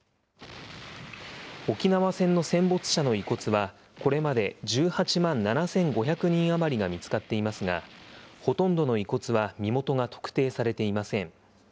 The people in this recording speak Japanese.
沖縄戦の戦没者の遺骨は、これまで１８万７５００人余りが見つかっていますが、ほとんどの遺骨は身元が特定されていません。